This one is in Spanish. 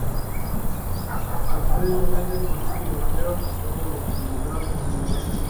Los tres se meten en un tiroteo con todos los involucrados en el negocio.